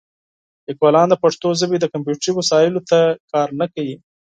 لیکوالان د پښتو ژبې د کمپیوټري وسایلو ته کار نه کوي.